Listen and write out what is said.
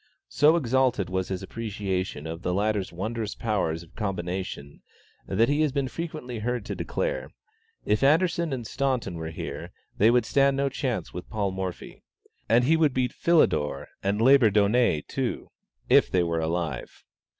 So exalted was his appreciation of the latter's wondrous powers of combination, that he has been frequently heard to declare "If Anderssen and Staunton were here, they would stand no chance with Paul Morphy; and he would beat Philidor and Labourdonnais too, if they were alive."